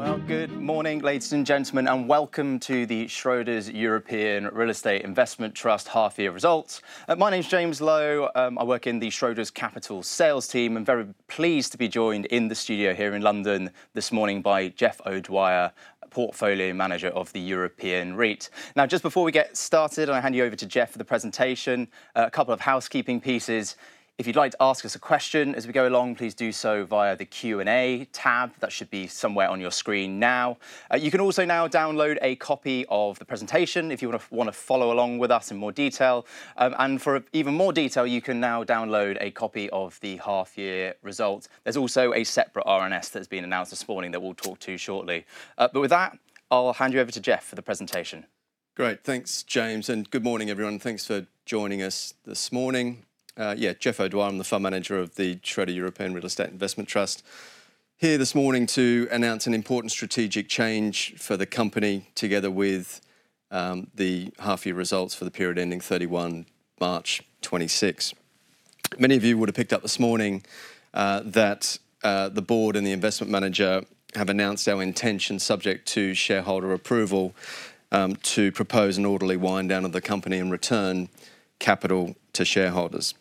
Well, good morning, ladies and gentlemen, and welcome to the Schroder European Real Estate Investment Trust half-year results. My name's James Lowe. I work in the Schroder Capital sales team. I'm very pleased to be joined in the studio here in London this morning by Jeff O'Dwyer, portfolio manager of the European REIT. Just before we get started, and I hand you over to Jeff for the presentation, a couple of housekeeping pieces. If you'd like to ask us a question as we go along, please do so via the Q&A tab. That should be somewhere on your screen now. You can also now download a copy of the presentation if you want to follow along with us in more detail. For even more detail, you can now download a copy of the half-year results. There's also a separate RNS that's been announced this morning that we'll talk to shortly. With that, I'll hand you over to Jeff for the presentation. Great. Thanks, James, and good morning, everyone. Thanks for joining us this morning. Yeah, Jeff O'Dwyer, I'm the Fund Manager of the Schroder European Real Estate Investment Trust. Here this morning to announce an important strategic change for the company together with the half-year results for the period ending 31 March 2026. Many of you would've picked up this morning that the Board and the Investment Manager have announced our intention, subject to shareholder approval, to propose an orderly wind down of the company and return capital to shareholders.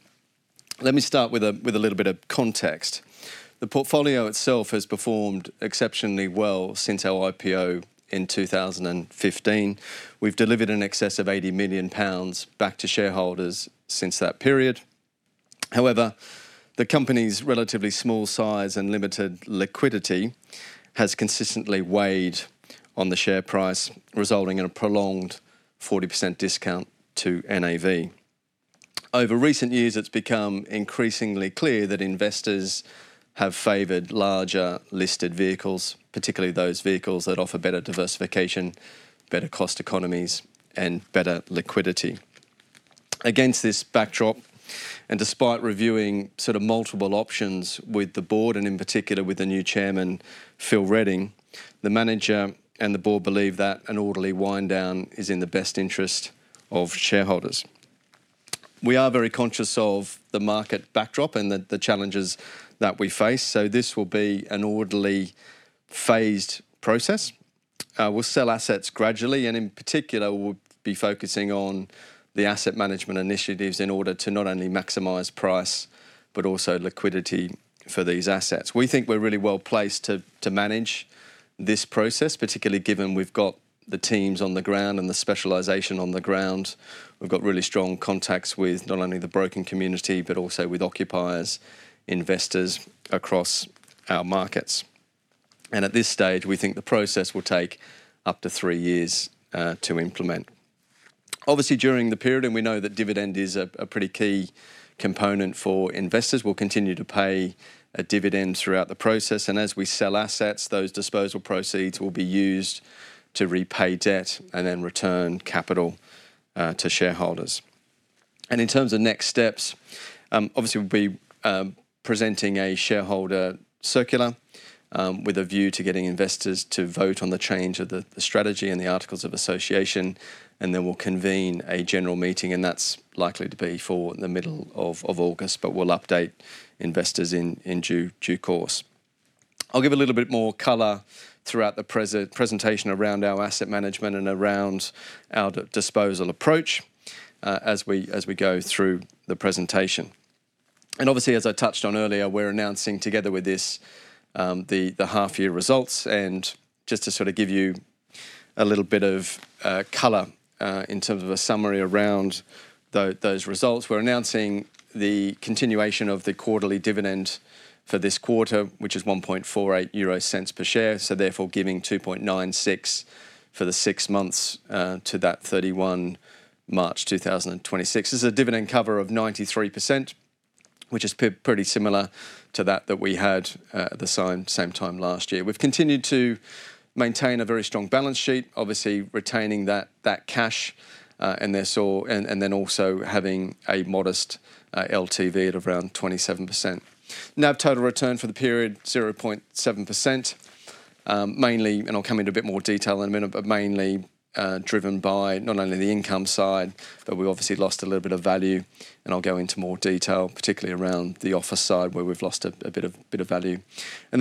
Let me start with a little bit of context. The portfolio itself has performed exceptionally well since our IPO in 2015. We've delivered in excess of 80 million pounds back to shareholders since that period. However, the company's relatively small size and limited liquidity has consistently weighed on the share price, resulting in a prolonged 40% discount to NAV. Over recent years, it's become increasingly clear that investors have favored larger listed vehicles, particularly those vehicles that offer better diversification, better cost economies, and better liquidity. Against this backdrop, and despite reviewing sort of multiple options with the board and in particular with the new Chairman, Phil Redding, the Manager and the Board believe that an orderly wind down is in the best interest of shareholders. We are very conscious of the market backdrop and the challenges that we face, so this will be an orderly, phased process. We'll sell assets gradually, and in particular, we'll be focusing on the asset management initiatives in order to not only maximize price but also liquidity for these assets. We think we're really well-placed to manage this process, particularly given we've got the teams on the ground and the specialization on the ground. We've got really strong contacts with not only the broking community, but also with occupiers, investors across our markets. At this stage, we think the process will take up to three years to implement. Obviously, during the period, and we know that dividend is a pretty key component for investors, we'll continue to pay a dividend throughout the process, and as we sell assets, those disposal proceeds will be used to repay debt and then return capital to shareholders. In terms of next steps, obviously we'll be presenting a shareholder circular, with a view to getting investors to vote on the change of the strategy and the Articles of Association, then we'll convene a general meeting, and that's likely to be for the middle of August. We'll update investors in due course. I'll give a little bit more color throughout the presentation around our asset management and around our disposal approach, as we go through the presentation. Obviously, as I touched on earlier, we're announcing together with this, the half-year results. Just to sort of give you a little bit of color, in terms of a summary around those results, we're announcing the continuation of the quarterly dividend for this quarter, which is 0.0148 per share, so therefore giving 0.0296 for the six months, to that 31 March 2026. This is a dividend cover of 93%, which is pretty similar to that that we had at the same time last year. We've continued to maintain a very strong balance sheet, obviously retaining that cash, then also having a modest LTV at around 27%. NAV total return for the period, 0.7%, mainly, I'll come into a bit more detail in a minute, but mainly driven by not only the income side, but we obviously lost a little bit of value, I'll go into more detail, particularly around the office side, where we've lost a bit of value. The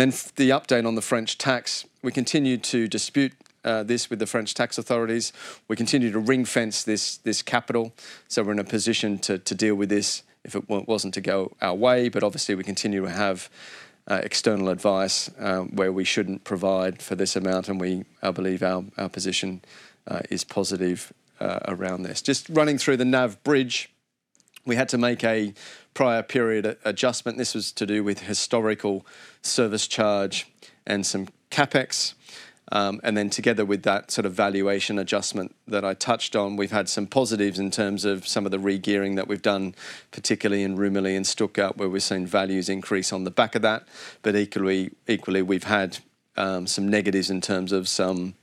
update on the French tax. We continue to dispute this with the French tax authorities. We continue to ring-fence this capital, so we're in a position to deal with this if it wasn't to go our way. Obviously we continue to have external advice, where we shouldn't provide for this amount, we, I believe our position is positive around this. Just running through the NAV bridge, we had to make a prior period adjustment. This was to do with historical service charge and some CapEx. Together with that sort of valuation adjustment that I touched on, we've had some positives in terms of some of the re-gearing that we've done, particularly in Rumilly and Stuttgart, where we've seen values increase on the back of that. Equally, we've had some negatives in terms of some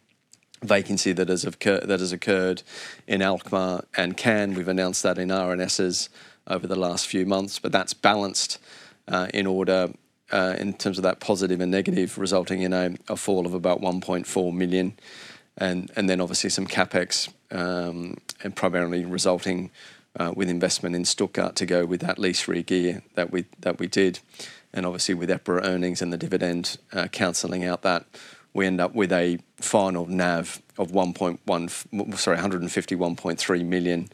vacancy that has occurred in Alkmaar and Cannes. We've announced that in RNSs over the last few months, but that's balanced, in order, in terms of that positive and negative resulting in a fall of about 1.4 million. Obviously some CapEx, primarily resulting with investment in Stuttgart to go with that lease re-gear that we did. Obviously with EPRA earnings and the dividend canceling out that, we end up with a final NAV of 151.3 million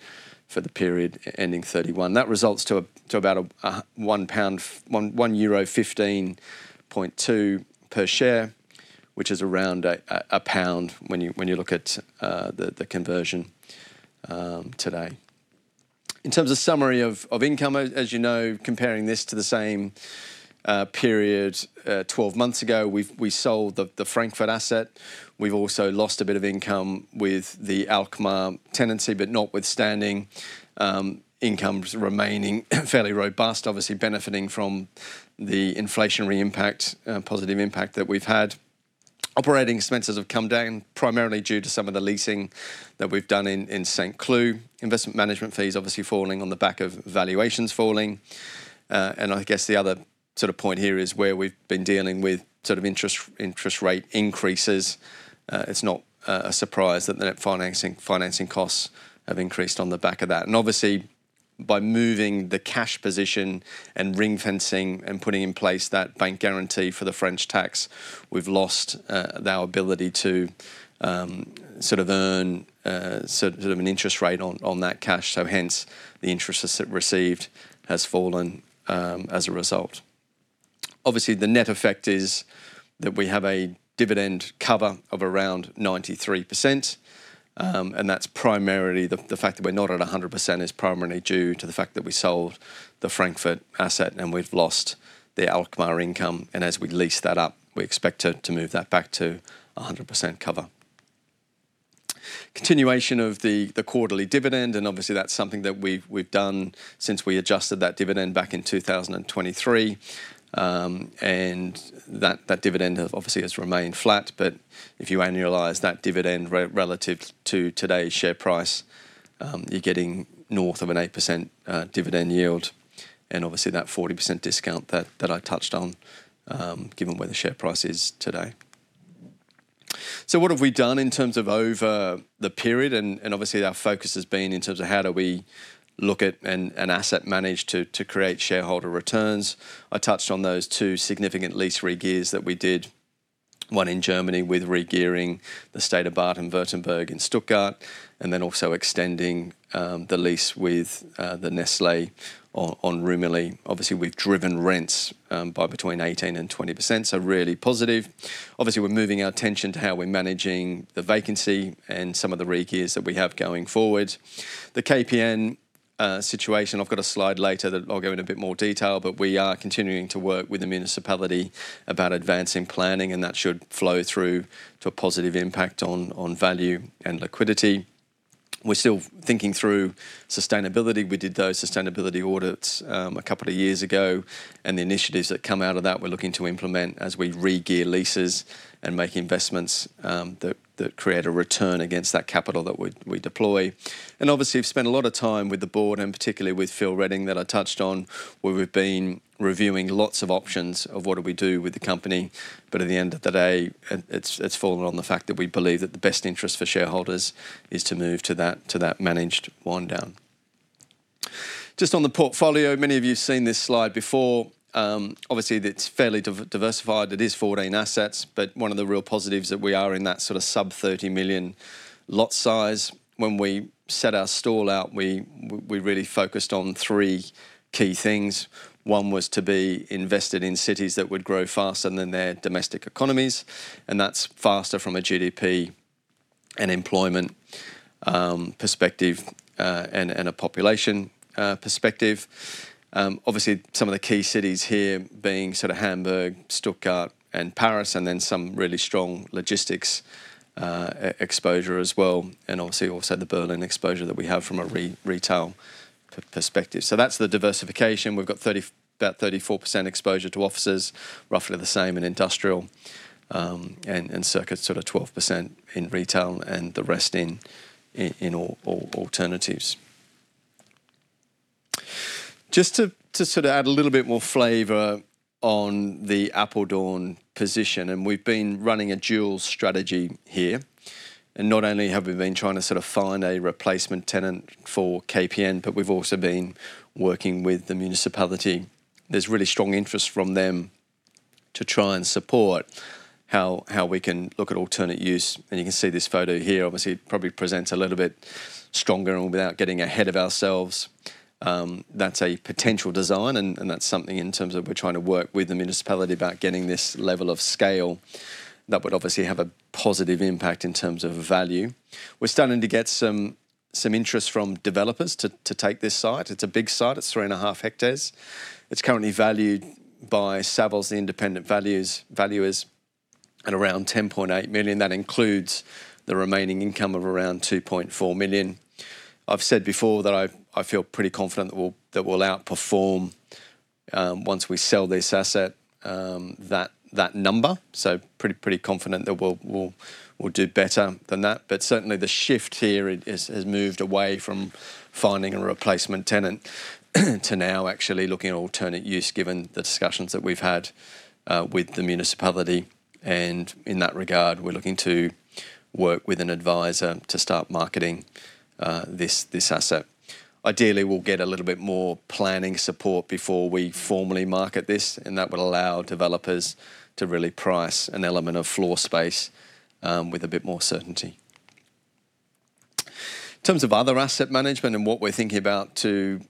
for the period ending 31. That results to about EUR 1.152 per share, which is around GBP 1 when you look at the conversion today. In terms of summary of income, as you know, comparing this to the same period 12 months ago, we sold the Frankfurt asset. We've also lost a bit of income with the Alkmaar tenancy, but notwithstanding, income's remaining fairly robust, obviously benefiting from the inflationary impact, positive impact that we've had. Operating expenses have come down primarily due to some of the leasing that we've done in Saint-Cloud. Investment management fees obviously falling on the back of valuations falling. I guess the other point here is where we've been dealing with interest rate increases. It's not a surprise that the net financing costs have increased on the back of that. Obviously, by moving the cash position and ring-fencing and putting in place that bank guarantee for the French tax, we've lost our ability to earn an interest rate on that cash. Hence, the interest received has fallen as a result. Obviously, the net effect is that we have a dividend cover of around 93%, and the fact that we're not at 100% is primarily due to the fact that we sold the Frankfurt asset and we've lost the Alkmaar income, and as we lease that up, we expect to move that back to 100% cover. Continuation of the quarterly dividend, obviously that's something that we've done since we adjusted that dividend back in 2023. That dividend obviously has remained flat, but if you annualize that dividend relative to today's share price, you're getting north of an 8% dividend yield and obviously that 40% discount that I touched on, given where the share price is today. What have we done in terms of over the period? Obviously our focus has been in terms of how do we look at and asset manage to create shareholder returns. I touched on those two significant lease re-gears that we did, one in Germany with re-gearing the State of Baden-Württemberg in Stuttgart and then also extending the lease with the Nestlé on Rumilly. Obviously, we've driven rents by between 18% and 20%, so really positive. Obviously, we're moving our attention to how we're managing the vacancy and some of the re-gears that we have going forward. The KPN situation, I've got a slide later that I'll go in a bit more detail, but we are continuing to work with the municipality about advancing planning, and that should flow through to a positive impact on value and liquidity. We're still thinking through sustainability. We did those sustainability audits a couple of years ago, and the initiatives that come out of that, we're looking to implement as we re-gear leases and make investments that create a return against that capital that we deploy. Obviously, we've spent a lot of time with the Board, and particularly with Phil Redding that I touched on, where we've been reviewing lots of options of what do we do with the company. At the end of the day, it's fallen on the fact that we believe that the best interest for shareholders is to move to that managed wind down. On the portfolio, many of you have seen this slide before. It's fairly diversified. It is 14 assets, but one of the real positives that we are in that sort of sub-EUR 30 million lot size. When we set our stall out, we really focused on three key things. One was to be invested in cities that would grow faster than their domestic economies, and that's faster from a GDP and employment perspective, and a population perspective. Obviously, some of the key cities here being Hamburg, Stuttgart, and Paris, some really strong logistics exposure as well, also the Berlin exposure that we have from a retail perspective. That's the diversification. We've got about 34% exposure to offices, roughly the same in industrial, and circa 12% in retail and the rest in alternatives. To add a little bit more flavor on the Apeldoorn position, we've been running a dual strategy here. Not only have we been trying to find a replacement tenant for KPN, but we've also been working with the municipality. There's really strong interest from them to try and support how we can look at alternate use. You can see this photo here, it probably presents a little bit stronger and without getting ahead of ourselves. That's a potential design and that's something in terms of we're trying to work with the municipality about getting this level of scale that would obviously have a positive impact in terms of value. We're starting to get some interest from developers to take this site. It's a big site. It's 3.5 hectares. It's currently valued by Savills, the independent valuers, at around 10.8 million. That includes the remaining income of around 2.4 million. I've said before that I feel pretty confident that we'll outperform once we sell this asset, that number. Pretty confident that we'll do better than that. Certainly the shift here has moved away from finding a replacement tenant to now actually looking at alternate use given the discussions that we've had with the municipality. In that regard, we're looking to work with an advisor to start marketing this asset. Ideally, we'll get a little bit more planning support before we formally market this, and that will allow developers to really price an element of floor space with a bit more certainty. In terms of other asset management and what we're thinking about to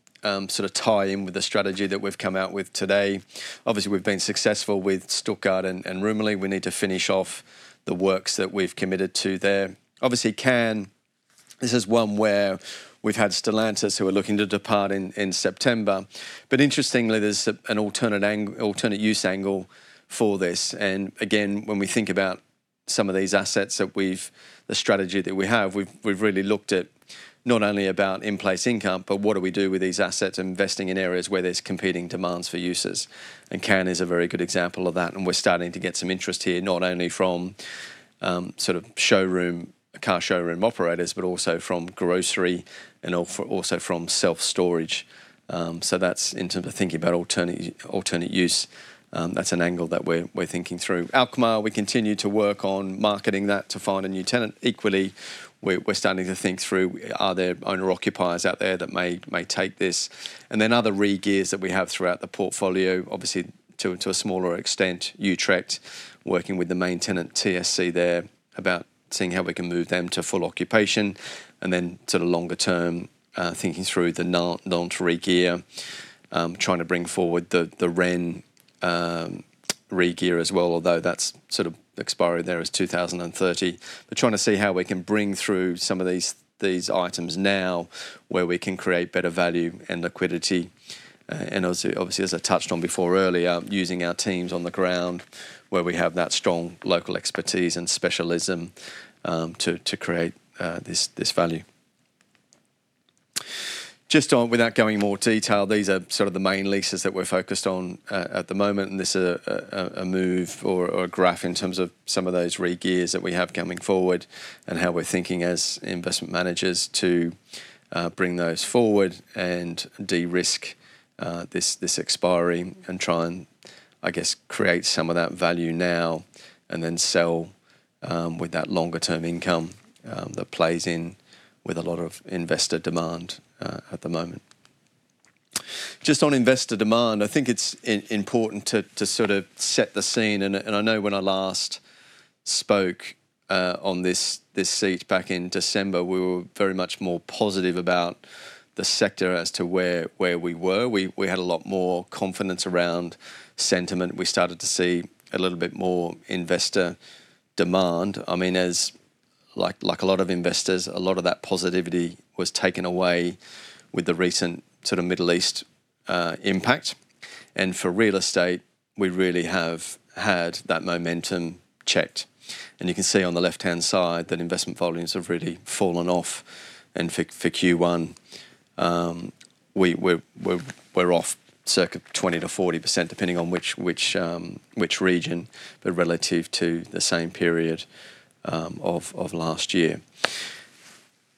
tie in with the strategy that we've come out with today. Obviously, we've been successful with Stuttgart and Rumilly. We need to finish off the works that we've committed to there. Obviously Cannes, this is one where we've had Stellantis, who are looking to depart in September. Interestingly, there's an alternate use angle for this. Again, when we think about some of these assets, the strategy that we have, we've really looked at not only about in-place income, but what do we do with these assets, investing in areas where there's competing demands for uses. Cannes is a very good example of that, we're starting to get some interest here, not only from car showroom operators, but also from grocery, and also from self-storage. That's in terms of thinking about alternate use. That's an angle that we're thinking through. Alkmaar, we continue to work on marketing that to find a new tenant. Equally, we're starting to think through, are there owner-occupiers out there that may take this? Other re-gears that we have throughout the portfolio, obviously to a smaller extent, Utrecht, working with the main tenant, TSC there, about seeing how we can move them to full occupation, and then longer-term, thinking through the Nantes re-gear, trying to bring forward the Rennes re-gear as well. Although that's expiring there as 2030. We're trying to see how we can bring through some of these items now where we can create better value and liquidity. Obviously, as I touched on before earlier, using our teams on the ground where we have that strong local expertise and specialism to create this value. Just on, without going more detail, these are the main leases that we're focused on at the moment, and this a move or a graph in terms of some of those re-gears that we have coming forward and how we're thinking as investment managers to bring those forward and de-risk this expiry and try and create some of that value now and then sell with that longer term income that plays in with a lot of investor demand at the moment. Just on investor demand, I think it's important to set the scene and I know when I last spoke on this seat back in December, we were very much more positive about the sector as to where we were. We had a lot more confidence around sentiment. We started to see a little bit more investor demand. Like a lot of investors, a lot of that positivity was taken away with the recent Middle East impact. For real estate, we really have had that momentum checked. You can see on the left-hand side that investment volumes have really fallen off. For Q1, we're off circa 20%-40%, depending on which region, but relative to the same period of last year.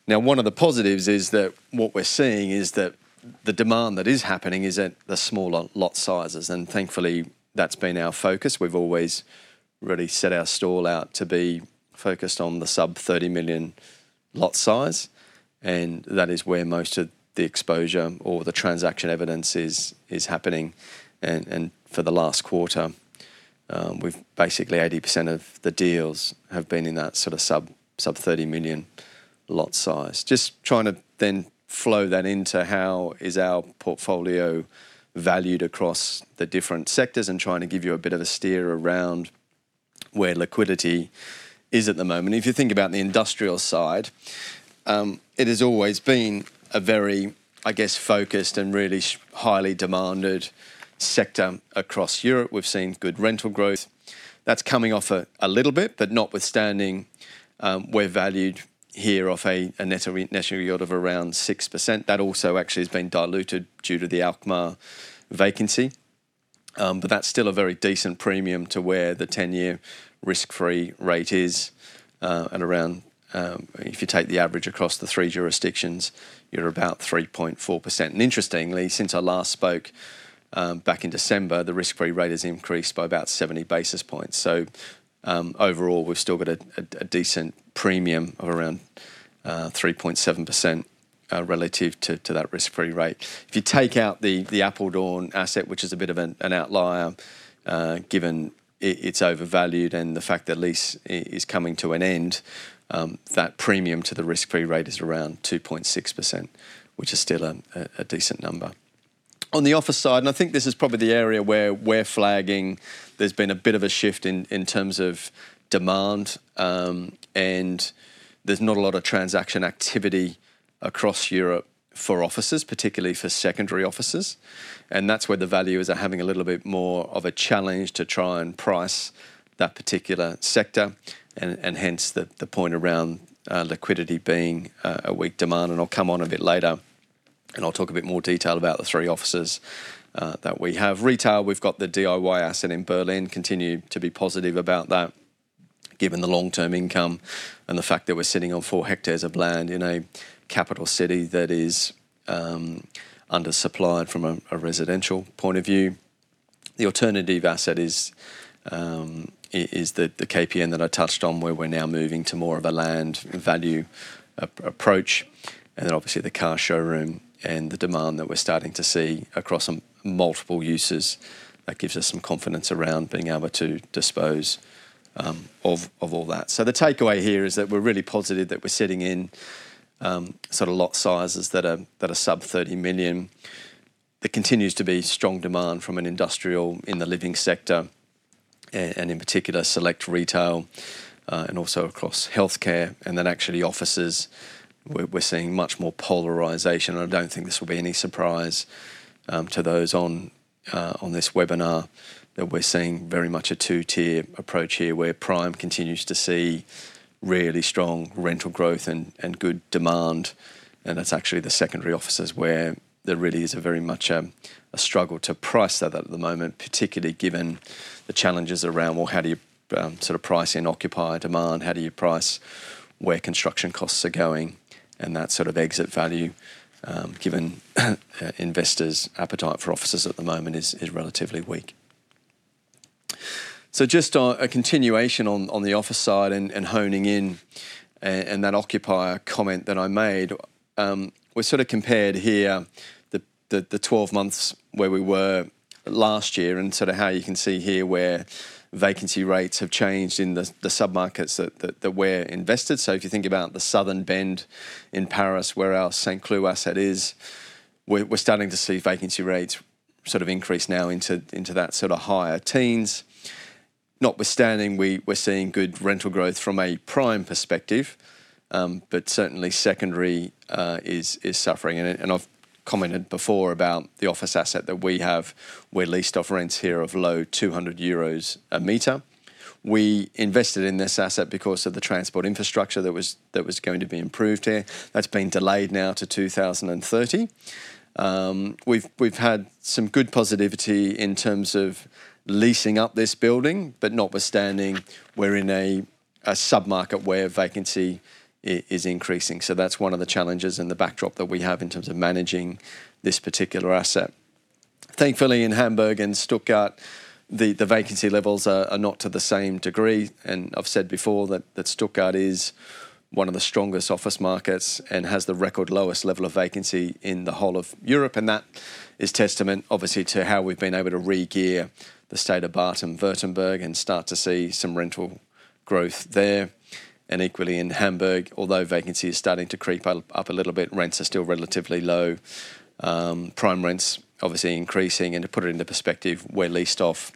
Now, one of the positives is that what we're seeing is that the demand that is happening is at the smaller lot sizes, and thankfully, that's been our focus. We've always really set our stall out to be focused on the sub-EUR 30 million lot size, and that is where most of the exposure or the transaction evidence is happening. For the last quarter, basically 80% of the deals have been in that sub-EUR 30 million lot size. Just trying to then flow that into how is our portfolio valued across the different sectors and trying to give you a bit of a steer around where liquidity is at the moment. If you think about the industrial side, it has always been a very focused and really highly demanded sector across Europe. We've seen good rental growth. That's coming off a little bit, but notwithstanding, we're valued here off a net initial yield of around 6%. That also actually has been diluted due to the Alkmaar vacancy. That's still a very decent premium to where the 10-year risk-free rate is, at around, if you take the average across the three jurisdictions, you're about 3.4%. Interestingly, since I last spoke back in December, the risk-free rate has increased by about 70 basis points. Overall, we've still got a decent premium of around 3.7% relative to that risk-free rate. If you take out the Apeldoorn asset, which is a bit of an outlier, given it's overvalued and the fact that lease is coming to an end, that premium to the risk-free rate is around 2.6%, which is still a decent number. On the office side, I think this is probably the area where we're flagging there's been a bit of a shift in terms of demand. There's not a lot of transaction activity across Europe for offices, particularly for secondary offices. That's where the valuers are having a little bit more of a challenge to try and price that particular sector, and hence the point around liquidity being a weak demand. I'll come on a bit later and I'll talk a bit more detail about the three offices that we have. Retail, we've got the DIY asset in Berlin, continue to be positive about that. Given the long-term income and the fact that we're sitting on 4 hectares of land in a capital city that is undersupplied from a residential point of view. The alternative asset is the KPN that I touched on, where we're now moving to more of a land value approach. Obviously the car showroom and the demand that we're starting to see across multiple uses. That gives us some confidence around being able to dispose of all that. The takeaway here is that we're really positive that we're sitting in lot sizes that are sub 30 million. There continues to be strong demand from an industrial in the living sector, in particular, select retail, also across healthcare, and then actually offices. We're seeing much more polarization. I don't think this will be any surprise to those on this webinar, that we're seeing very much a two-tier approach here, where prime continues to see really strong rental growth and good demand. That's actually the secondary offices where there really is very much a struggle to price that at the moment, particularly given the challenges around, well, how do you price in occupier demand, how do you price where construction costs are going, and that sort of exit value, given investors' appetite for offices at the moment is relatively weak. Just a continuation on the office side and honing in and that occupier comment that I made. We're sort of compared here the 12 months where we were last year and how you can see here where vacancy rates have changed in the sub-markets that were invested. If you think about the southern bend in Paris where our Saint-Cloud asset is, we're starting to see vacancy rates increase now into that higher teens. Notwithstanding, we're seeing good rental growth from a prime perspective, but certainly secondary is suffering. I've commented before about the office asset that we have. We're leased off rents here of low 200 euros a meter. We invested in this asset because of the transport infrastructure that was going to be improved here. That's been delayed now to 2030. We've had some good positivity in terms of leasing up this building, but notwithstanding, we're in a sub-market where vacancy is increasing. That's one of the challenges and the backdrop that we have in terms of managing this particular asset. Thankfully, in Hamburg and Stuttgart, the vacancy levels are not to the same degree. I have said before that Stuttgart is one of the strongest office markets and has the record lowest level of vacancy in the whole of Europe. That is testament, obviously, to how we have been able to re-gear the State of Baden-Württemberg and start to see some rental growth there. Equally in Hamburg, although vacancy is starting to creep up a little bit, rents are still relatively low. Prime rents obviously increasing, and to put it into perspective, we are leased off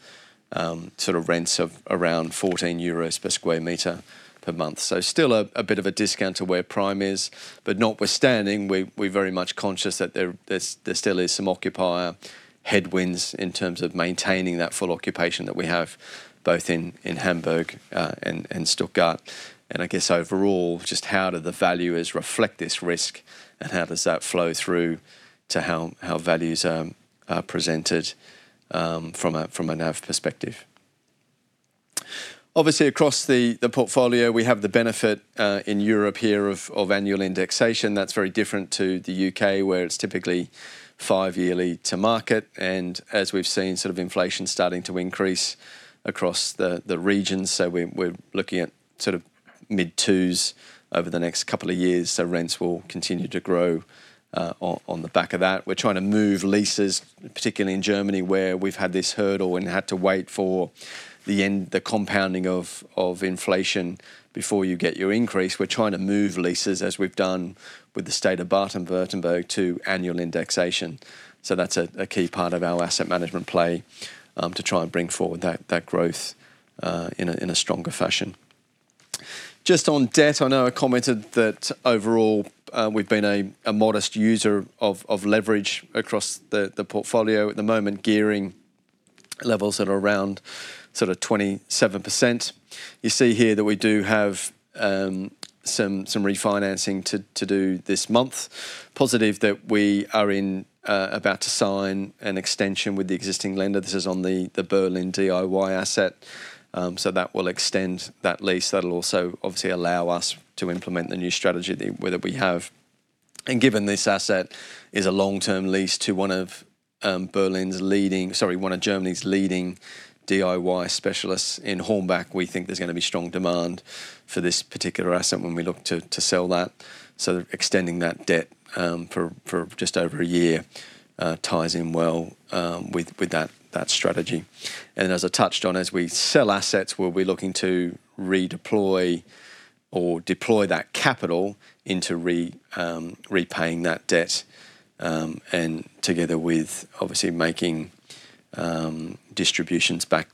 rents of around 14 euros per square meter per month. Still a bit of a discount to where prime is. Notwithstanding, we are very much conscious that there still is some occupier headwinds in terms of maintaining that full occupation that we have both in Hamburg and Stuttgart. I guess overall, just how do the valuers reflect this risk, and how does that flow through to how values are presented from a NAV perspective. Obviously, across the portfolio, we have the benefit in Europe here of annual indexation. That is very different to the U.K., where it is typically five yearly to market. As we have seen inflation starting to increase across the regions. We are looking at mid twos over the next couple of years. Rents will continue to grow on the back of that. We are trying to move leases, particularly in Germany, where we have had this hurdle and had to wait for the compounding of inflation before you get your increase. We are trying to move leases as we have done with the State of Baden-Württemberg to annual indexation. That's a key part of our asset management play to try and bring forward that growth in a stronger fashion. On debt, I know I commented that overall, we have been a modest user of leverage across the portfolio. At the moment, gearing levels at around 27%. You see here that we do have some refinancing to do this month. Positive that we are about to sign an extension with the existing lender. This is on the Berlin DIY asset. That will extend that lease. That will also obviously allow us to implement the new strategy that we have. Given this asset is a long-term lease to one of Germany's leading DIY specialists in Hornbach, we think there is going to be strong demand for this particular asset when we look to sell that, extending that debt for just over a year ties in well with that strategy. As I touched on, as we sell assets, we will be looking to redeploy or deploy that capital into repaying that debt, and together with obviously making distributions back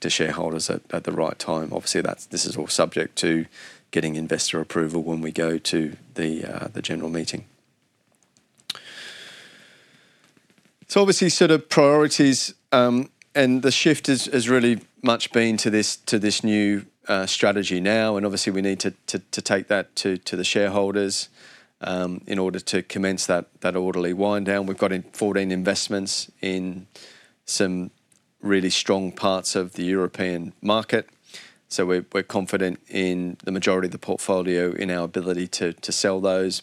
to shareholders at the right time. Obviously, this is all subject to getting investor approval when we go to the general meeting. Obviously sort of priorities, and the shift has really much been to this new strategy now. Obviously we need to take that to the shareholders in order to commence that orderly wind down. We've got 14 investments in some really strong parts of the European market. We're confident in the majority of the portfolio in our ability to sell those.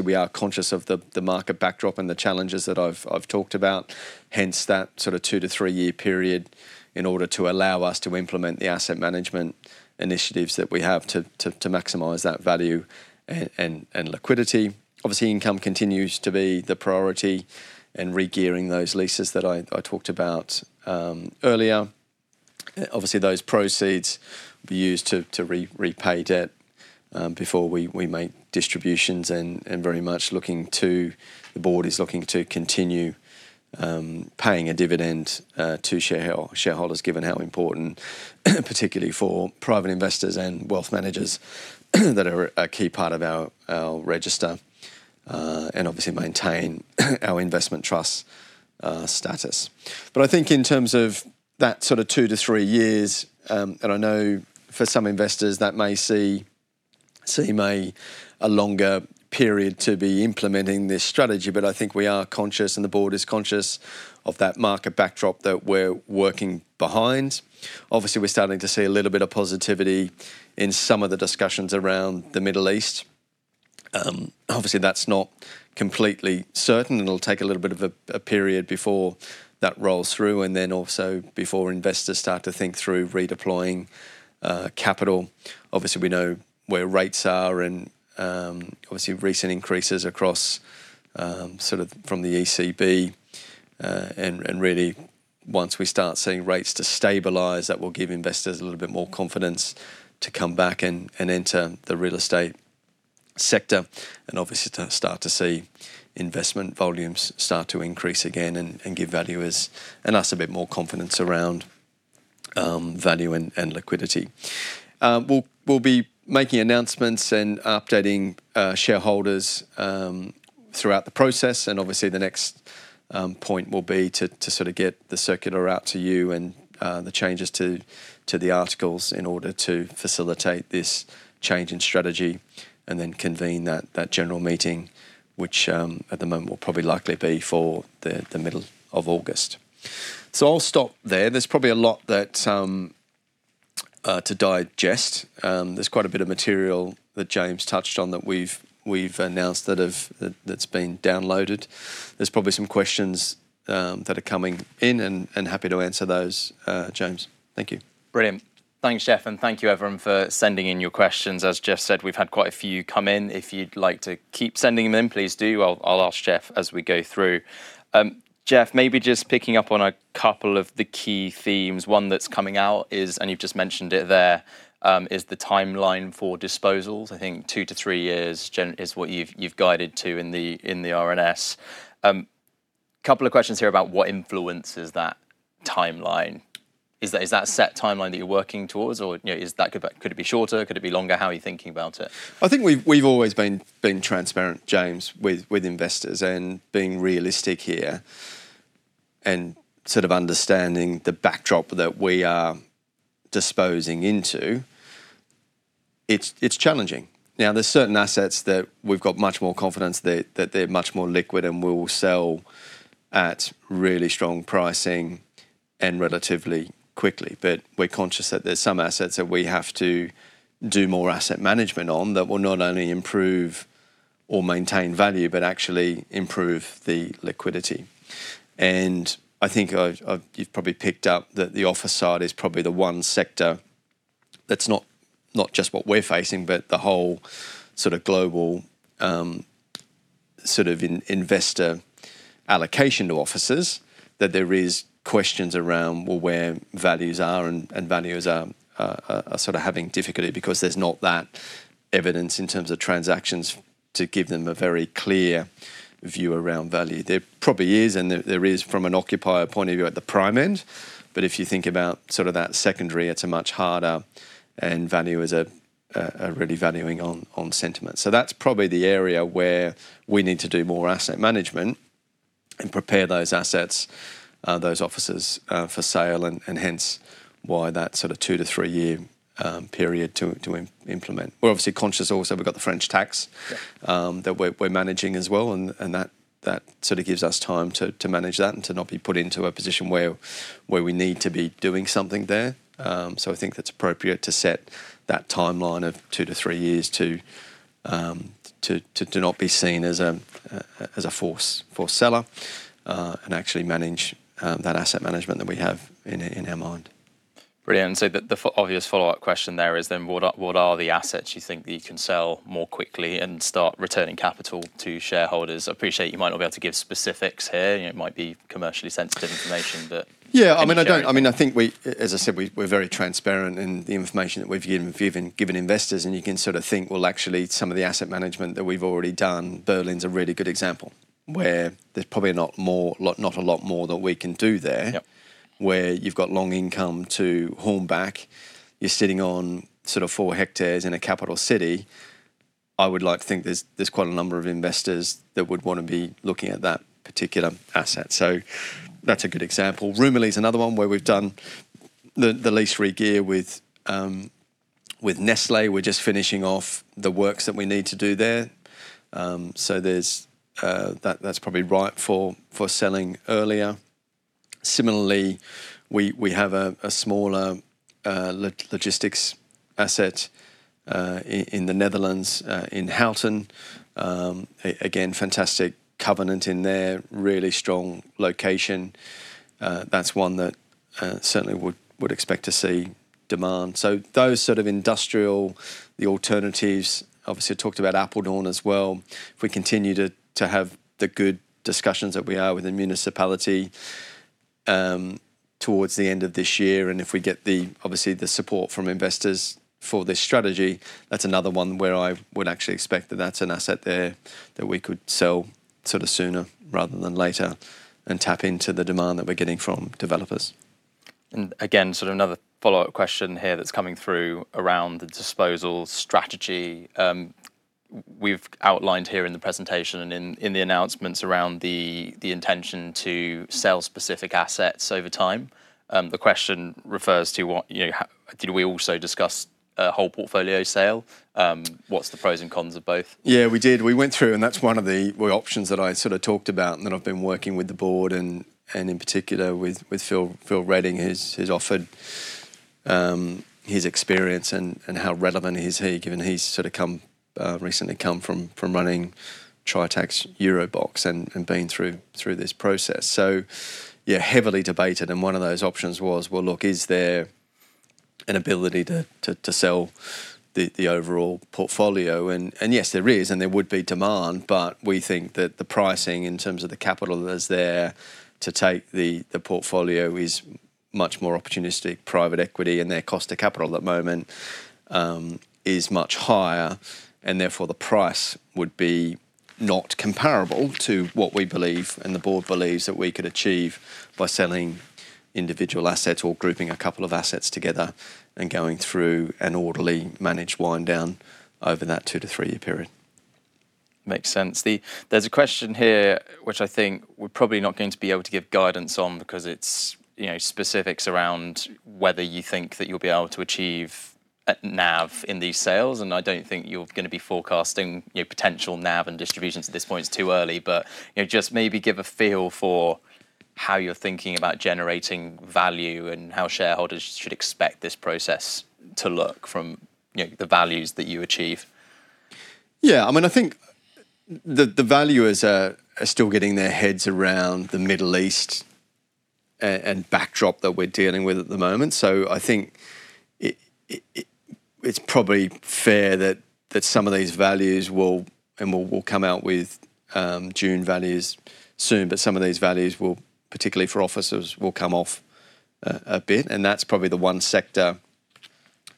We are conscious of the market backdrop and the challenges that I've talked about. Hence, that two to three year period in order to allow us to implement the asset management initiatives that we have to maximize that value and liquidity. Income continues to be the priority in re-gearing those leases that I talked about earlier. Those proceeds will be used to repay debt, before we make distributions, and very much the Board is looking to continue, paying a dividend to shareholders, given how important, particularly for private investors and wealth managers that are a key part of our register, and maintain our investment trust status. I think in terms of that two to three years, and I know for some investors that may seem a longer period to be implementing this strategy. I think we are conscious and the Board is conscious of that market backdrop that we're working behind. We're starting to see a little bit of positivity in some of the discussions around the Middle East. That's not completely certain, and it'll take a little bit of a period before that rolls through, and then also before investors start to think through redeploying capital. We know where rates are and, recent increases across, from the ECB. Really once we start seeing rates destabilize, that will give investors a little bit more confidence to come back and enter the real estate sector. To start to see investment volumes start to increase again and give valuers and us a bit more confidence around value and liquidity. We'll be making announcements and updating shareholders, throughout the process. The next point will be to get the circular out to you and the changes to the articles in order to facilitate this change in strategy and then convene that general meeting which, at the moment, will probably likely be for the middle of August. I'll stop there. There's probably a lot to digest. There's quite a bit of material that James touched on that we've announced that's been downloaded. There's probably some questions that are coming in and happy to answer those, James. Thank you. Brilliant. Thanks, Jeff, and thank you everyone for sending in your questions. As Jeff said, we've had quite a few come in. If you'd like to keep sending them in, please do. I'll ask Jeff as we go through. Jeff, maybe just picking up on a couple of the key themes. One that's coming out is, you've just mentioned it there, is the timeline for disposals. I think two to three years is what you've guided to in the RNS. Couple of questions here about what influences that timeline. Is that a set timeline that you're working towards, or could it be shorter, could it be longer? How are you thinking about it? I think we've always been transparent, James, with investors, and being realistic here and understanding the backdrop that we are disposing into. It's challenging. There's certain assets that we've got much more confidence that they're much more liquid and will sell at really strong pricing and relatively quickly. We're conscious that there's some assets that we have to do more asset management on that will not only improve or maintain value, but actually improve the liquidity. I think you've probably picked up that the office side is probably the one sector that's not just what we're facing, but the whole global investor allocation to offices, that there is questions around, well, where values are, and valuers are having difficulty because there's not that evidence in terms of transactions to give them a very clear view around value. There probably is, and there is from an occupier point of view at the prime end. If you think about that secondary, it's much harder, and valuers are really valuing on sentiment. That's probably the area where we need to do more asset management and prepare those assets, those offices, for sale, hence why that two to three-year period to implement. We're obviously conscious also we've got the French tax that we're managing as well. That gives us time to manage that and to not be put into a position where we need to be doing something there. I think that's appropriate to set that timeline of two to three years to not be seen as a forced seller, and actually manage that asset management that we have in our mind. Brilliant. The obvious follow-up question there is what are the assets you think that you can sell more quickly and start returning capital to shareholders? I appreciate you might not be able to give specifics here. It might be commercially sensitive information, but? I mean, I don't. I mean, I think as I said, we're very transparent in the information that we've given investors, and you can think, well, actually, some of the asset management that we've already done, Berlin's a really good example, where there's probably not a lot more that we can do there. Yep. Where you've got long income to Hornbach, you're sitting on 4 hectares in a capital city, I would like to think there's quite a number of investors that would want to be looking at that particular asset. That's a good example. Rumilly's another one where we've done the lease re-gear with Nestlé, we're just finishing off the works that we need to do there. That's probably ripe for selling earlier. Similarly, we have a smaller logistics asset in the Netherlands, in Houten. Again, fantastic covenant in there, really strong location. That's one that certainly would expect to see demand. Those sort of industrial, the alternatives, obviously, I talked about Apeldoorn as well. If we continue to have the good discussions that we are with the municipality towards the end of this year, and if we get, obviously, the support from investors for this strategy, that's another one where I would actually expect that that's an asset there that we could sell sooner rather than later and tap into the demand that we're getting from developers. Again, sort of another follow-up question here that's coming through around the disposal strategy. We've outlined here in the presentation and in the announcements around the intention to sell specific assets over time. The question refers to did we also discuss a whole portfolio sale? What's the pros and cons of both? We did. We went through, and that's one of the options that I sort of talked about, and that I've been working with the Board and in particular with Phil Redding, who's offered his experience and how relevant is he, given he's sort of recently come from running Tritax EuroBox and been through this process. Heavily debated, and one of those options was, well, look, is there an ability to sell the overall portfolio? Yes, there is, and there would be demand, but we think that the pricing in terms of the capital that is there to take the portfolio is much more opportunistic. Private equity, and their cost to capital at the moment is much higher. Therefore, the price would be not comparable to what we believe and the Board believes that we could achieve by selling individual assets or grouping a couple of assets together and going through an orderly managed wind down over that two to three-year period. Makes sense. There's a question here which I think we're probably not going to be able to give guidance on because it's specifics around whether you think that you'll be able to achieve NAV in these sales. I don't think you're going to be forecasting potential NAV and distributions at this point. It's too early, but just maybe give a feel for how you're thinking about generating value and how shareholders should expect this process to look from the values that you achieve? I think the valuers are still getting their heads around the Middle East and backdrop that we're dealing with at the moment. I think it's probably fair that some of these values will, we'll come out with June values soon, but some of these values will, particularly for offices, will come off a bit. That's probably the one sector,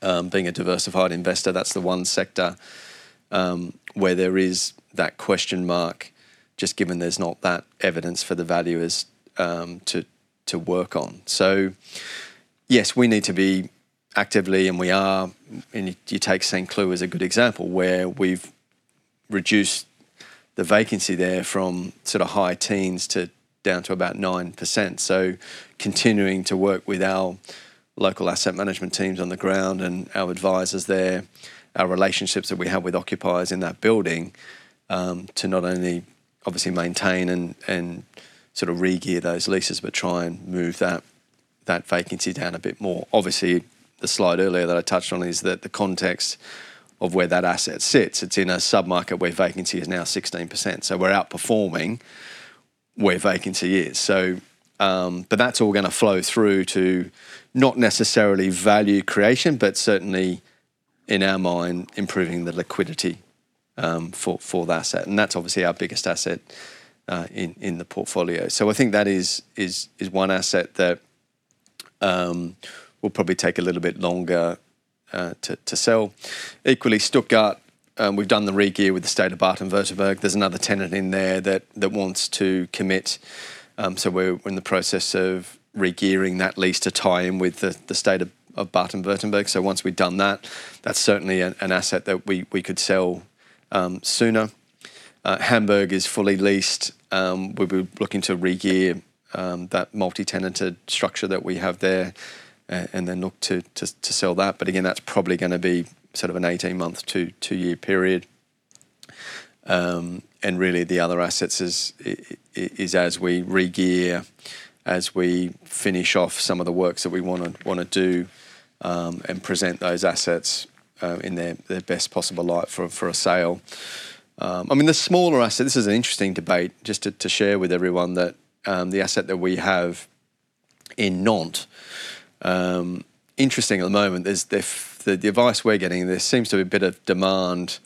being a diversified investor, that's the one sector where there is that question mark, just given there's not that evidence for the valuers to work on. Yes, we need to be actively, we are, you take Saint-Cloud as a good example, where we've reduced the vacancy there from sort of high teens to down to about 9%. Continuing to work with our local asset management teams on the ground and our advisors there, our relationships that we have with occupiers in that building, to not only obviously maintain and sort of re-gear those leases, but try and move that vacancy down a bit more. Obviously, the slide earlier that I touched on is that the context of where that asset sits. It's in a sub-market where vacancy is now 16%, so we're outperforming where vacancy is. That's all going to flow through to not necessarily value creation, but certainly, in our mind, improving the liquidity for the asset. That's obviously our biggest asset in the portfolio. I think that is one asset that will probably take a little bit longer to sell. Equally, Stuttgart, we've done the re-gear with the State of Baden-Württemberg. There's another tenant in there that wants to commit, we're in the process of re-gearing that lease to tie in with the State of Baden-Württemberg. Once we've done that's certainly an asset that we could sell sooner. Hamburg is fully leased. We'll be looking to re-gear that multi-tenanted structure that we have there, and then look to sell that. Again, that's probably going to be sort of an 18-month to two-year period. Really, the other assets is as we re-gear, as we finish off some of the works that we want to do and present those assets in their best possible light for a sale. The smaller asset, this is an interesting debate just to share with everyone that the asset that we have in Nantes. Interesting at the moment is the advice we're getting, there seems to be a bit of demand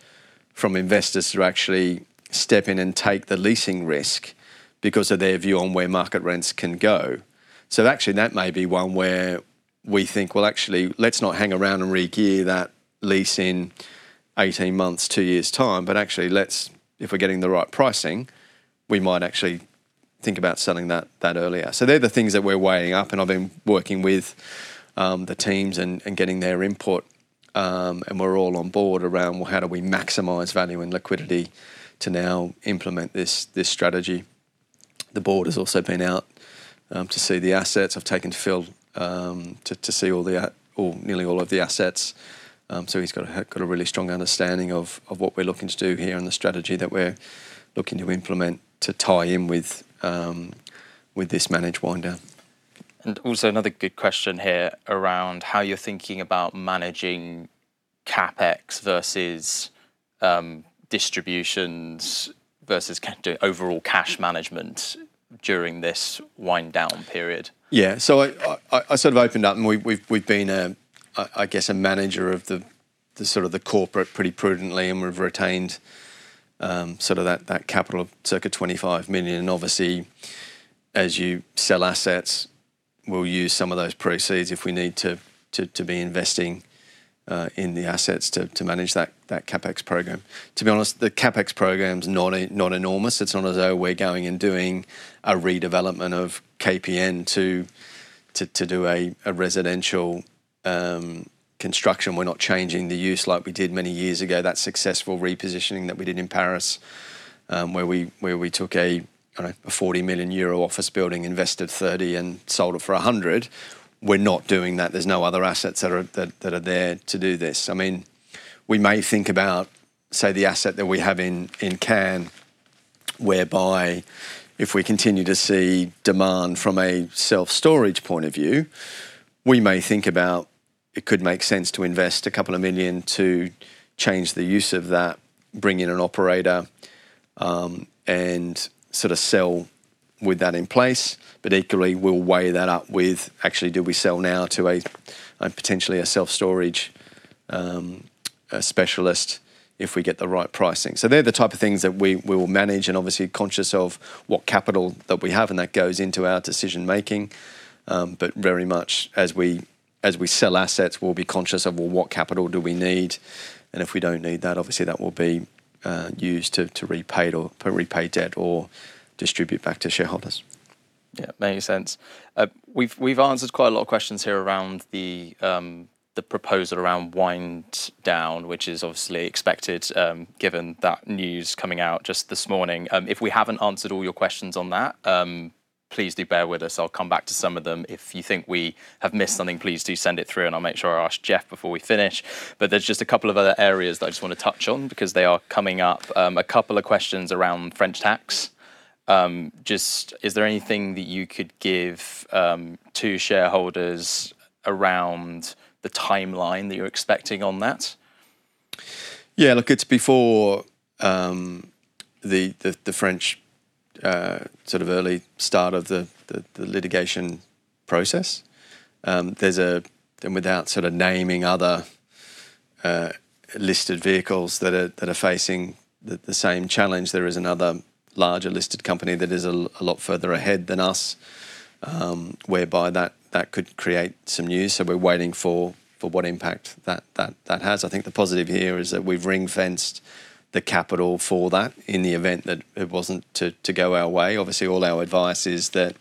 from investors to actually step in and take the leasing risk because of their view on where market rents can go. Actually, that may be one where we think, well, actually, let's not hang around and re-gear that lease in 18 months, two years' time, but actually, if we're getting the right pricing, we might actually think about selling that earlier. They're the things that we're weighing up, and I've been working with the teams and getting their input. We're all on board around, well, how do we maximize value and liquidity to now implement this strategy. The Board has also been out to see the assets. I've taken Phil to see nearly all of the assets, so he's got a really strong understanding of what we're looking to do here and the strategy that we're looking to implement to tie in with this managed wind down. Another good question here around how you're thinking about managing CapEx versus distributions, versus overall cash management during this wind down period. Yeah. I opened up and we've been, I guess, a manager of the corporate pretty prudently, and we've retained that capital of circa 25 million. Obviously, as you sell assets, we'll use some of those proceeds if we need to be investing in the assets to manage that CapEx program. To be honest, the CapEx program's not enormous. It's not as though we're going and doing a redevelopment of KPN to do a residential construction. We're not changing the use like we did many years ago, that successful repositioning that we did in Paris, where we took a 40 million euro office building, invested 30 million and sold it for 100 million. We're not doing that. There's no other assets that are there to do this. We may think about, say, the asset that we have in Cannes, whereby if we continue to see demand from a self-storage point of view, we may think about it could make sense to invest a couple of million to change the use of that, bring in an operator, and sell with that in place. Equally, we'll weigh that up with actually, do we sell now to potentially a self-storage specialist if we get the right pricing? They're the type of things that we will manage and obviously conscious of what capital that we have and that goes into our decision making. Very much as we sell assets, we'll be conscious of, well, what capital do we need? If we don't need that, obviously that will be used to repay debt or distribute back to shareholders. Yeah. Makes sense. We've answered quite a lot of questions here around the proposal around wind down, which is obviously expected given that news coming out just this morning. If we haven't answered all your questions on that, please do bear with us. I'll come back to some of them. If you think we have missed something, please do send it through and I'll make sure I ask Jeff before we finish. There's just a couple of other areas that I just want to touch on because they are coming up. A couple of questions around French tax. Just is there anything that you could give to shareholders around the timeline that you're expecting on that? Yeah. Look, it's before the French, early start of the litigation process. Without naming other listed vehicles that are facing the same challenge, there is another larger listed company that is a lot further ahead than us, whereby that could create some news. We're waiting for what impact that has. I think the positive here is that we've ring-fenced the capital for that in the event that it wasn't to go our way. Obviously, all our advice is that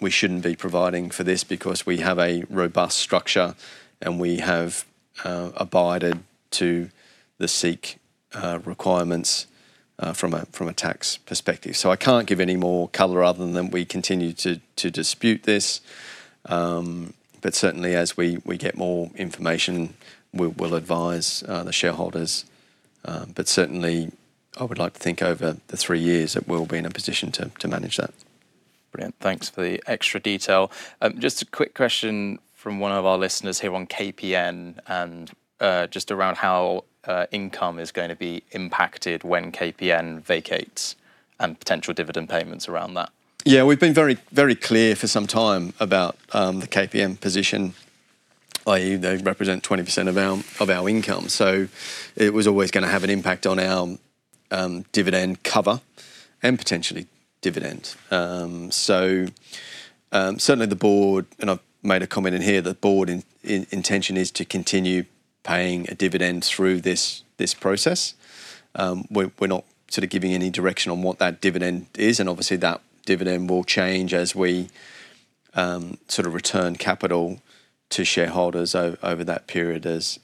we shouldn't be providing for this because we have a robust structure, and we have abided to the SIIC requirements from a tax perspective. I can't give any more color other than we continue to dispute this. Certainly as we get more information, we'll advise the shareholders. Certainly, I would like to think over the three years that we'll be in a position to manage that. Brilliant. Thanks for the extra detail. Just a quick question from one of our listeners here on KPN and just around how income is going to be impacted when KPN vacates and potential dividend payments around that? Yeah. We've been very clear for some time about the KPN position, i.e., they represent 20% of our income, so it was always going to have an impact on our dividend cover and potentially dividend. Certainly the Board, and I've made a comment in here, the Board's intention is to continue paying a dividend through this process. We're not giving any direction on what that dividend is, and obviously that dividend will change as we return capital to shareholders over that period as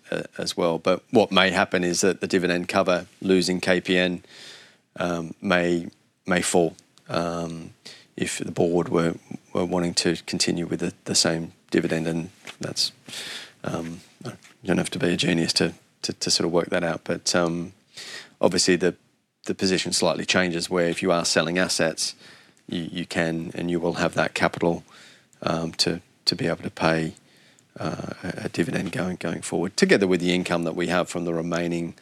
well. What may happen is that the dividend cover losing KPN may fall. If the Board were wanting to continue with the same dividend, and you don't have to be a genius to work that out. Obviously the position slightly changes where if you are selling assets, you can and you will have that capital to be able to pay a dividend going forward, together with the income that we have from the remaining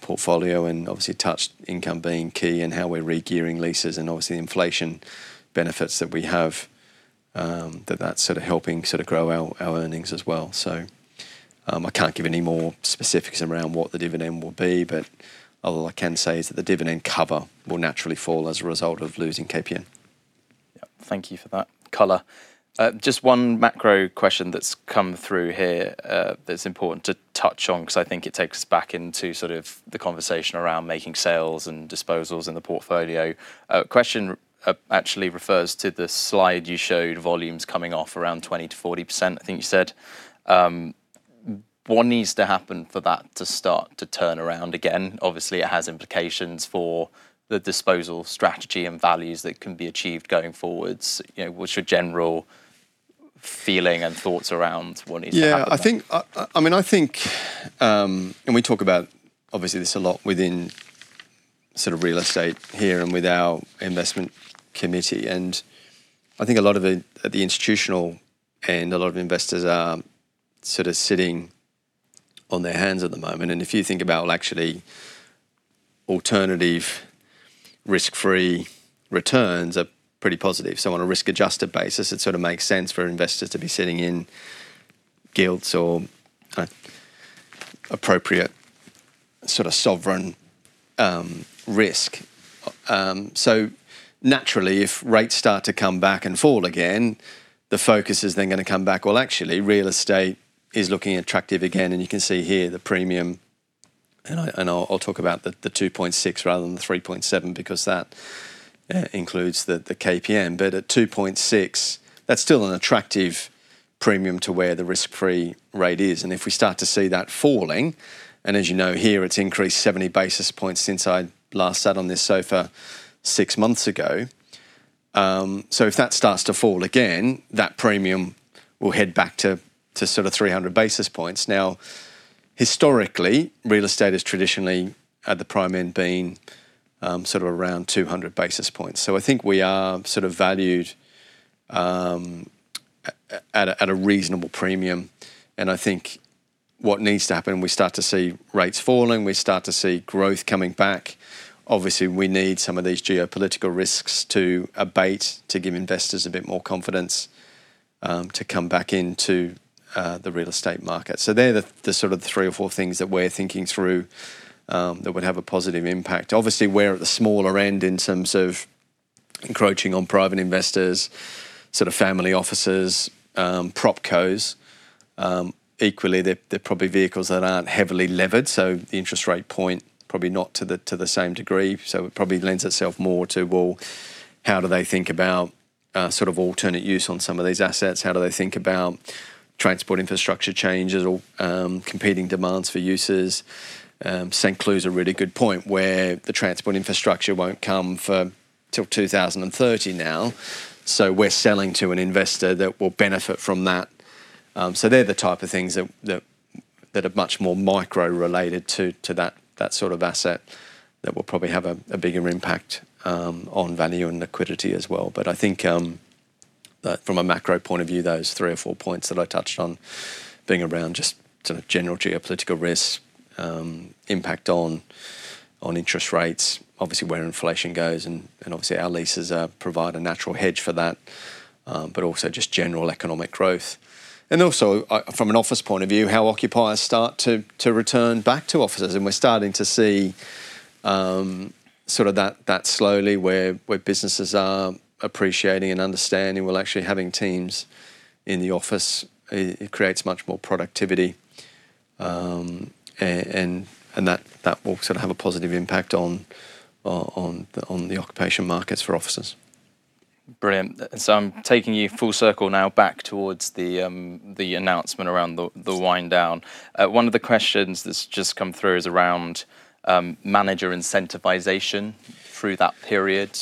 portfolio and obviously touched income being key and how we're re-gearing leases and obviously the inflation benefits that we have, that's helping grow our earnings as well. I can't give any more specifics around what the dividend will be, but all I can say is that the dividend cover will naturally fall as a result of losing KPN. Thank you for that color. Just one macro question that's come through here that's important to touch on, because I think it takes us back into the conversation around making sales and disposals in the portfolio. Question actually refers to the slide you showed volumes coming off around 20%-40%, I think you said. What needs to happen for that to start to turn around again? Obviously, it has implications for the disposal strategy and values that can be achieved going forwards. What's your general feeling and thoughts around what needs to happen there? Yeah, we talk about, obviously this a lot within real estate here and with our investment committee, I think a lot of it at the institutional end, a lot of investors are sitting on their hands at the moment. If you think about, well, actually, alternative risk-free returns are pretty positive. On a risk-adjusted basis, it sort of makes sense for investors to be sitting in gilts or appropriate sovereign risk. Naturally, if rates start to come back and fall again, the focus is then going to come back. Well, actually, real estate is looking attractive again. You can see here the premium, and I'll talk about the 2.6% rather than the 3.7%, because that includes the KPN. But at 2.6%, that's still an attractive premium to where the risk-free rate is. If we start to see that falling, and as you know here, it's increased 70 basis points since I last sat on this sofa six months ago. If that starts to fall again, that premium will head back to 300 basis points. Historically, real estate has traditionally, at the prime end, been around 200 basis points. I think we are valued at a reasonable premium, and I think what needs to happen, we start to see rates falling, we start to see growth coming back. Obviously, we need some of these geopolitical risks to abate, to give investors a bit more confidence, to come back into the real estate market. They're the three or four things that we're thinking through, that would have a positive impact. Obviously, we're at the smaller end in terms of encroaching on private investors, family offices, propcos. Equally, they're probably vehicles that aren't heavily levered, so the interest rate point, probably not to the same degree, it probably lends itself more to, well, how do they think about alternate use on some of these assets? How do they think about transport infrastructure changes or competing demands for uses? Saint-Cloud's a really good point, where the transport infrastructure won't come till 2030 now, so we're selling to an investor that will benefit from that. They're the type of things that are much more micro related to that sort of asset that will probably have a bigger impact, on value and liquidity as well. I think, from a macro point of view, those three or four points that I touched on being around just general geopolitical risks, impact on interest rates, obviously where inflation goes, and obviously our leases provide a natural hedge for that, but also just general economic growth. Also, from an office point of view, how occupiers start to return back to offices. And we're starting to see that slowly, where businesses are appreciating and understanding, well, actually having teams in the office, it creates much more productivity, and that will have a positive impact on the occupation markets for offices. Brilliant. I'm taking you full circle now back towards the announcement around the wind down. One of the questions that's just come through is around, manager incentivization through that period.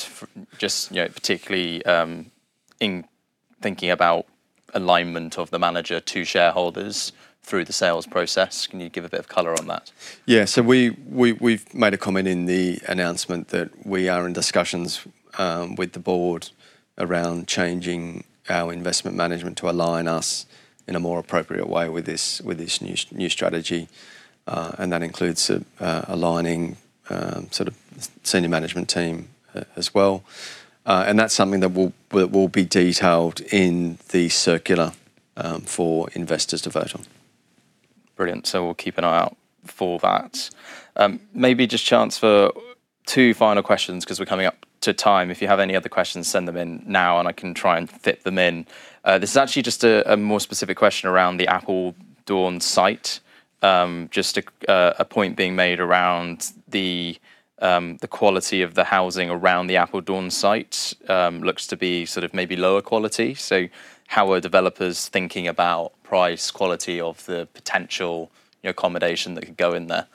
Just, particularly, in thinking about alignment of the manager to shareholders through the sales process. Can you give a bit of color on that? Yeah. We've made a comment in the announcement that we are in discussions with the Board around changing our investment management to align us in a more appropriate way with this new strategy. That includes aligning senior management team as well. That's something that will be detailed in the circular, for investors to vote on. Brilliant. We'll keep an eye out for that. Maybe just chance for two final questions because we're coming up to time. If you have any other questions, send them in now and I can try and fit them in. This is actually just a more specific question around the Apeldoorn site. Just a point being made around the quality of the housing around the Apeldoorn site, looks to be maybe lower quality. How are developers thinking about price quality of the potential accommodation that could go in there?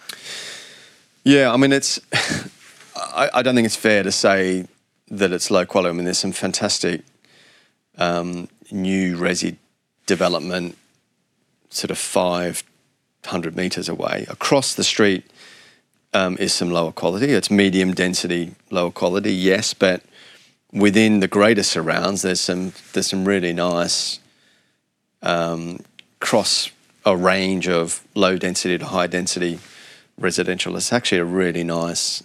I don't think it's fair to say that it's low quality. There's some fantastic, new resi development 500 m away. Across the street, is some lower quality. It's medium density, lower quality, yes, but within the greater surrounds, there's some really nice, cross a range of low density to high density residential. It's actually a really nice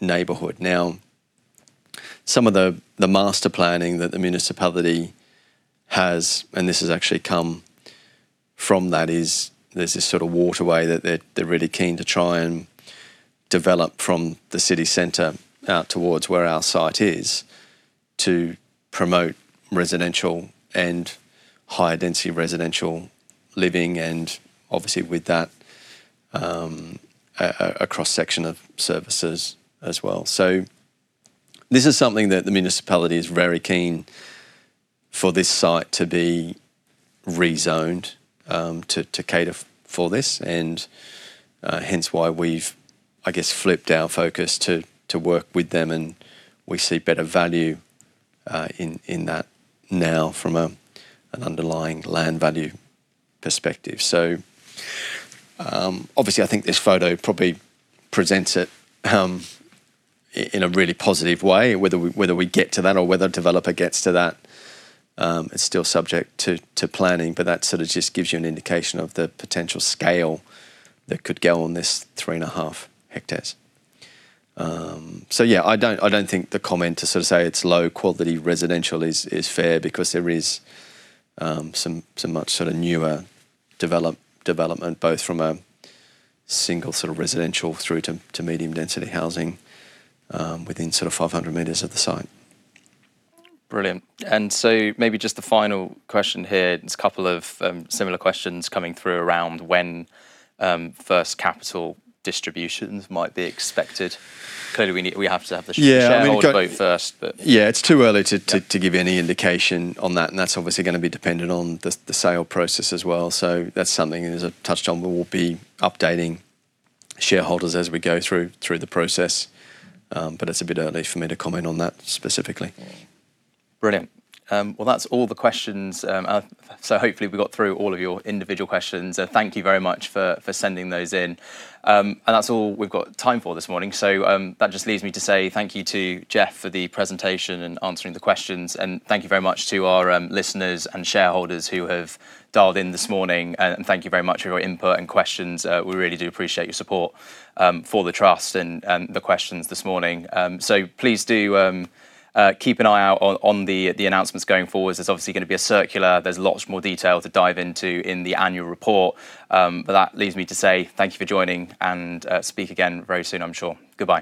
neighborhood. Now, some of the master planning that the municipality has, and this has actually come from that, is there's this waterway that they're really keen to try and develop from the city center out towards where our site is to promote residential and high-density residential living, and obviously with that, a cross-section of services as well. This is something that the municipality is very keen for this site to be rezoned to cater for this, and hence why we've, I guess, flipped our focus to work with them, and we see better value in that now from an underlying land value perspective. Obviously, I think this photo probably presents it in a really positive way. Whether we get to that or whether a developer gets to that, it's still subject to planning, but that sort of just gives you an indication of the potential scale that could go on this 3.5 hectares. Yeah, I don't think the comment to sort of say it's low-quality residential is fair because there is some much sort of newer development, both from a single sort of residential through to medium-density housing, within sort of 500 m of the site. Brilliant. Maybe just the final question here, there's a couple of similar questions coming through around when first capital distributions might be expected. Clearly, we have to have the shareholders vote first. Yeah. It's too early to give any indication on that, and that's obviously going to be dependent on the sale process as well. That's something, as I touched on, we will be updating shareholders as we go through the process. It's a bit early for me to comment on that specifically. Brilliant. Well, that's all the questions, hopefully we got through all of your individual questions. Thank you very much for sending those in. That's all we've got time for this morning, that just leaves me to say thank you to Jeff for the presentation and answering the questions, and thank you very much to our listeners and shareholders who have dialed in this morning, and thank you very much for your input and questions. We really do appreciate your support for the trust and the questions this morning. Please do keep an eye out on the announcements going forward. There's obviously going to be a circular. There's lots more detail to dive into in the annual report. That leaves me to say thank you for joining, and speak again very soon, I'm sure. Goodbye.